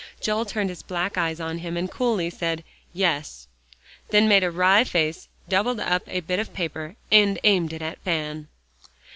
Joel turned his black eyes on him and coolly said "Yes," then made a wry face, doubled up a bit of paper, and aimed it at Van.